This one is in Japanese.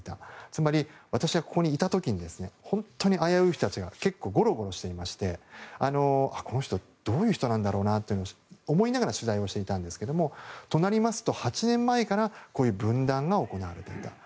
つまり私はここにいた時に本当に危うい人たちが結構ごろごろしていましてこの人、どういう人なんだろうなって思いながら取材をしていたんですけどもと、なりますと８年前からこういう分断が行われていた。